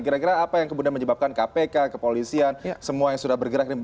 kira kira apa yang kemudian menyebabkan kpk kepolisian semua yang sudah bergerak